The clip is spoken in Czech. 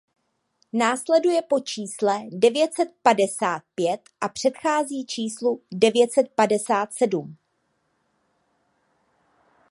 Následuje po čísle devět set padesát pět a předchází číslu devět set padesát sedm.